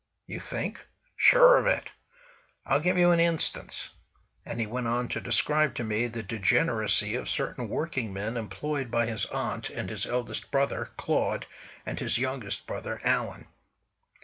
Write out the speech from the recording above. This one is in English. "You think?" "Sure of it! I'll give you an instance——" and he went on to describe to me the degeneracy of certain working men employed by his aunt and his eldest brother Claud and his youngest brother Alan.